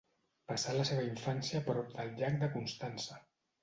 Passà la seva infància prop del llac de Constança.